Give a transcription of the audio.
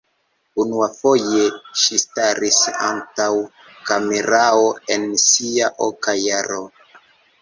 Unuafoje ŝi staris antaŭ kamerao en sia oka jaro.